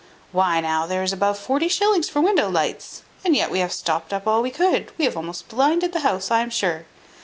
Why now, there is above forty shillings for window lights, and yet we have stopt up all we could; we have almost blinded the house, I am sure.